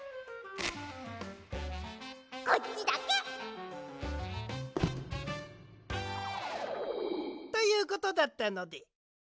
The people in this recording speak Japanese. こっちだけ！ということだったので。